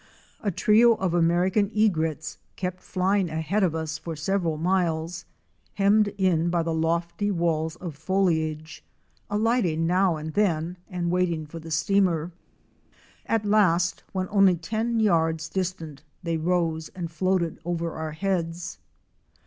A trio of American Egrets * kept flying ahead of us for several miles, hemmed in by the lofty walls of foliage, alighting now and then and waiting for the steamer. At last when only ten yards dis tant they rose and floated over our heads.